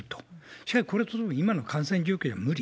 しかしこれは今の感染状況では無理。